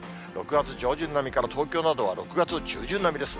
６月上旬並みから、東京などは６月中旬並みです。